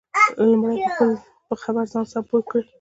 لمړی په خبر ځان سم پوه کړئ